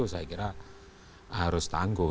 saya kira harus tangguh